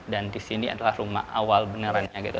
dan di sini adalah rumah awal benerannya gitu